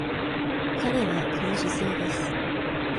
彼は君主制です。